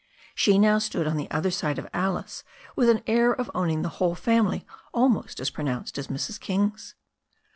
She now stood on the other side of Alice with an air of owning the whole family almost as pronounced as Mrs. King's.